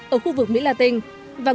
ở khu vực mỹ la tinh